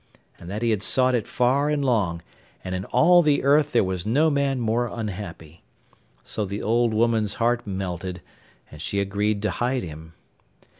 And that he had sought it far and long, and in all the earth there was no man more unhappy. So the old woman's heart melted, and she agreed to hide him.